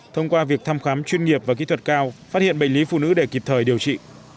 thông qua việc thăm khám chuyên nghiệp và kỹ thuật cao phát hiện bệnh lý phụ nữ để kịp thời điều trị